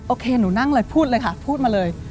โอเคหนูนั่งเลยค่ะพูดมาเลย